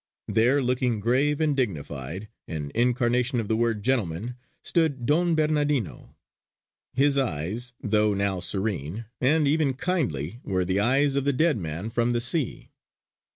There, looking grave and dignified, an incarnation of the word 'gentleman' stood Don Bernardino. His eyes, though now serene, and even kindly, were the eyes of the dead man from the sea.